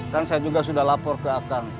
kan saya juga sudah lapor ke akan